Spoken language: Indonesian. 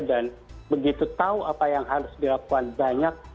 dan begitu tahu apa yang harus dilakukan banyak